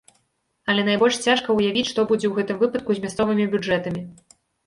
Але найбольш цяжка ўявіць, што будзе ў гэтым выпадку з мясцовымі бюджэтамі.